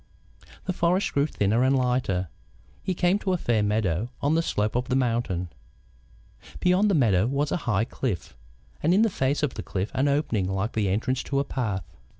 The forest grew thinner and lighter. He came to a fair meadow on the slope of the mountain. Beyond the meadow was a high cliff, and in the face of the cliff an opening like the entrance to a path.